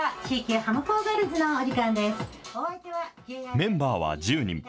メンバーは１０人。